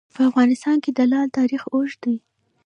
په افغانستان کې د لعل تاریخ اوږد دی.